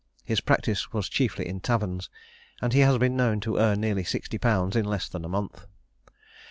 His practice was chiefly in taverns, and he has been known to earn nearly sixty pounds in less than a month.